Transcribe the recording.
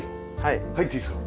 入っていいですか？